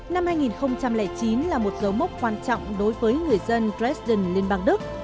năm hai nghìn chín là một dấu mốc quan trọng đối với người dân bredian liên bang đức